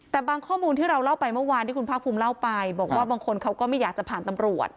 แต่บางข้อมูลที่เราเล่าไปเมื่อวานที่คุณภาคภูมิเล่าไปบอกว่าบางคนเขาก็ไม่อยากจะผ่านตำรวจ